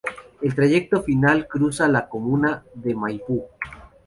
El trayecto final cruza la comuna de Maipú.